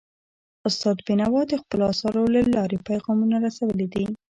استاد بینوا د خپلو اثارو له لارې پیغامونه رسولي دي.